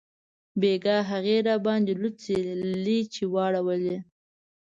بیګاه هغې راباندې لوڅې لیچې واړولې